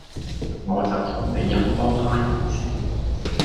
我就同你人多哈人少